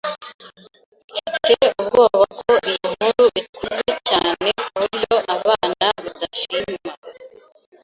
Mfite ubwoba ko iyi nkuru ikuze cyane kuburyo abana badashima.